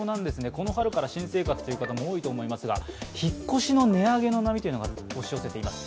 この春から新生活という方も多いと思いますが、引っ越しの値上げの波というのが押し寄せています。